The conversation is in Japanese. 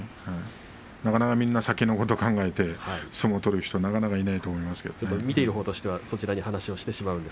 みんな先のことを考えて相撲を取る人はなかなかいないと思いますけれどね。